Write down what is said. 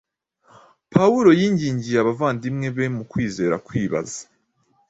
Pawulo yingingiye abavandimwe be mu kwizera kwibaza